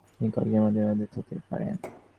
তিনি কয়েকজন মনিবের অধীনে থাকতে শুরু করেন।